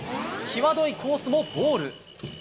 際どいコースもボール。